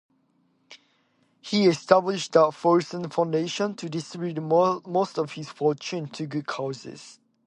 He established the Wolfson Foundation to distribute most of his fortune to good causes.